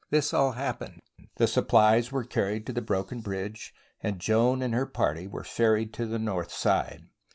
This all happened. The supplies were carried to the broken bridge, and Joan and her party were ferried to the north side.